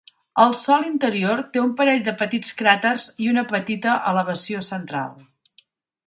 El sòl interior té un parell de petits cràters i una petita elevació central.